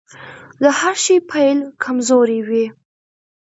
د هر شي پيل کمزوری وي .